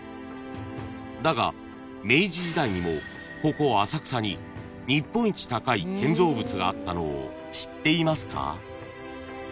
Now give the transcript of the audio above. ［だが明治時代にもここ浅草に日本一高い建造物があったのを知っていますか？］